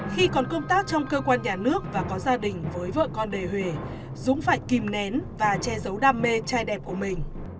khi còn công tác trong cơ quan nhà nước và có gia đình với vợ con đời huế dũng phải kìm nén và che giấu đam mê trai đẹp của mình